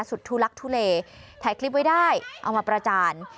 ทุลักทุเลถ่ายคลิปไว้ได้เอามาประจาน